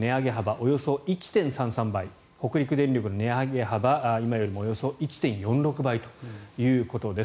およそ１．３３倍北陸電力の値上げ幅、今よりおよそ１．４６倍ということです。